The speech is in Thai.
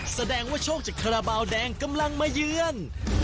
แสดงว่าโชคจากคาราบาลแดงกำลังมาเยือน